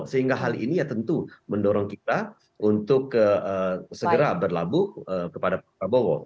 sehingga hal ini ya tentu mendorong kita untuk segera berlabuh kepada pak prabowo